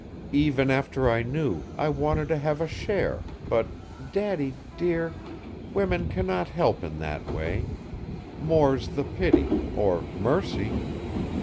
Even after I knew, I wanted to have a share, but, Daddy, dear, women cannot help in that way, more's the pity or mercy!